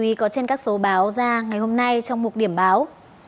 bài viết có trên các số báo ra ngày hôm nay trong một điểm báo